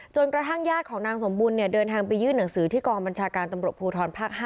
กระทั่งญาติของนางสมบุญเดินทางไปยื่นหนังสือที่กองบัญชาการตำรวจภูทรภาค๕